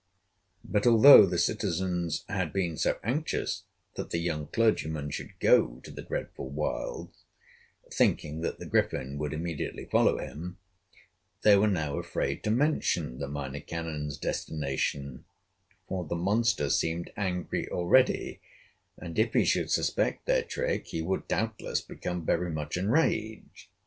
But, although the citizens had been so anxious that the young clergyman should go to the dreadful wilds, thinking that the Griffin would immediately follow him, they were now afraid to mention the Minor Canon's destination, for the monster seemed angry already, and, if he should suspect their trick he would, doubtless, become very much enraged.